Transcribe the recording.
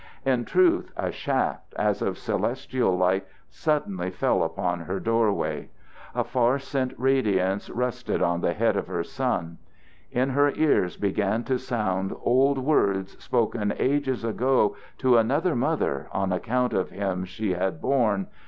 In truth a shaft as of celestial light suddenly fell upon her doorway; a far sent radiance rested on the head of her son; in her ears began to sound old words spoken ages ago to another mother on account of him she had borne.